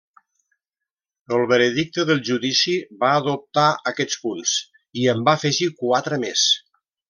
El veredicte del judici va adoptar aquests punts i en va afegir quatre més.